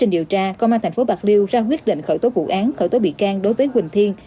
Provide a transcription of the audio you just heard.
điều tra công an tp bạc liêu ra quyết định khởi tố vụ án khởi tố bị can đối với quỳnh thiên